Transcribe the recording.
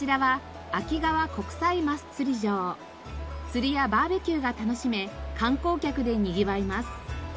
釣りやバーベキューが楽しめ観光客でにぎわいます。